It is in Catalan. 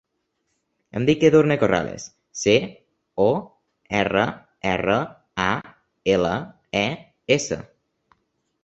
Em dic Edurne Corrales: ce, o, erra, erra, a, ela, e, essa.